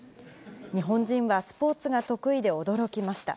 日本人はスポーツが得意で驚きました。